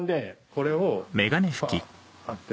これをパって。